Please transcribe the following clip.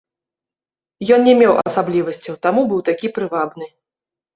Ён не меў асаблівасцяў, таму быў такі прывабны.